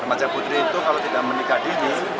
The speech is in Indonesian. remaja putri itu kalau tidak menikah dini